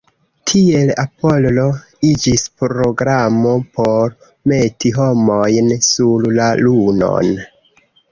Tiel Apollo iĝis programo por meti homojn sur la Lunon.